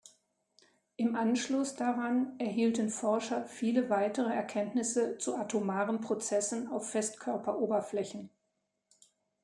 Im Anschluss daran erhielten Forscher viele weitere Erkenntnisse zu atomaren Prozessen auf Festkörper-Oberflächen.